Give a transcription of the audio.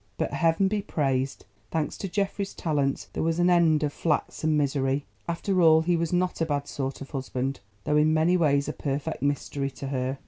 But Heaven be praised! thanks to Geoffrey's talents, there was an end of flats and misery. After all, he was not a bad sort of husband, though in many ways a perfect mystery to her.